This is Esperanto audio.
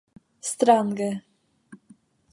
Strange.